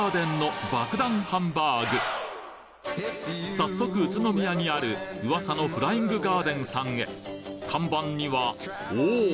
早速宇都宮にある噂のフライングガーデンさんへ看板にはおおっ！